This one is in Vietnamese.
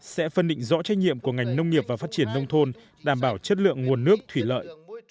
sẽ phân định rõ trách nhiệm của ngành nông nghiệp và phát triển nông thôn đảm bảo chất lượng nguồn nước thủy lợi